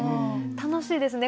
楽しいですね